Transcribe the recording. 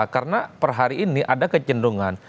karena per hari ini ada kecenderungan